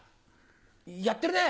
やってるね！